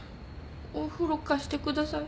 お風呂貸してください。